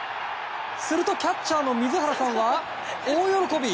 するとキャッチャーの水原さんは大喜び。